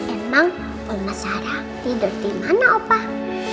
emang mama sarah tidur dimana opah